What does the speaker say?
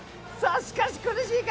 しかし苦しいか！？